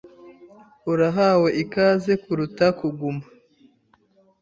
Urahawe ikaze kuruta kuguma.